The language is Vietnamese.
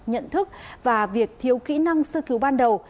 nhận thức và việc thiếu kỹ năng sơ cứu ban đầu